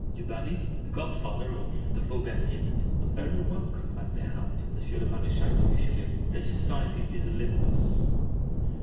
Du Barry, the god father of the Vaubernier, was very welcome at the house of M. le Maréchal de Richelieu. This society is Olympus.